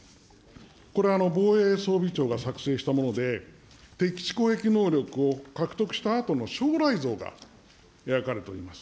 これ、防衛装備庁が作成したもので、敵基地攻撃能力を獲得したあとの将来像が描かれております。